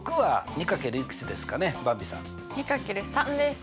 ２×３です。